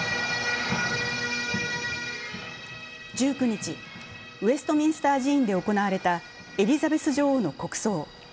１９日、ウェストミンスター寺院で行われたエリザベス女王の国葬。